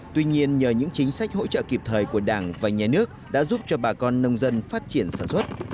tuy nhiên nhờ những chính sách hỗ trợ kịp thời của đảng và nhà nước đã giúp cho bà con nông dân phát triển sản xuất